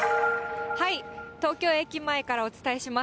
東京駅前からお伝えします。